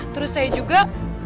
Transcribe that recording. terus saya juga